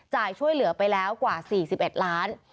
ช่วยเหลือไปแล้วกว่า๔๑ล้าน